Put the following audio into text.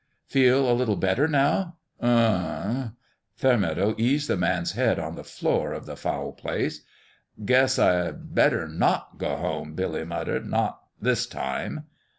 " Feel a little better, now?" " Uh huh." Fairmeadow eased the man's head on the floor of the foul place. " Guess I better not go home," Billy muttered. " Not this time."